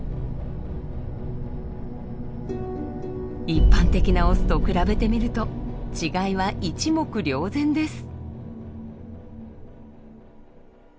一般的なオスと比べてみると違いは一目瞭然です。